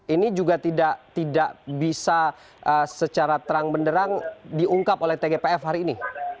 ini juga tidak bisa secara terang benderang diungkap oleh tgpf hari ini